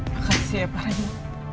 makasih ya pak raditya